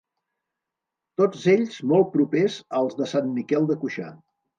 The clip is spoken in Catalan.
Tots ells molt propers als de Sant Miquel de Cuixà.